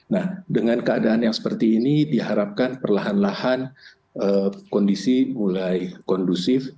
nah dengan keadaan yang seperti ini diharapkan perlahan lahan kondisi mulai kondusif